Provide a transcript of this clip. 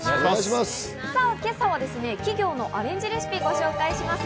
今朝は企業のアレンジレシピをご紹介します。